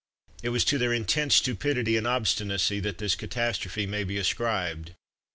It was to their intense stupidity and obstinacy that this catastrophe may be ascribed.